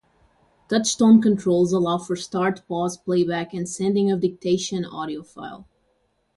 Touch tone controls allow for start, pause, playback, and sending of dictation audio file.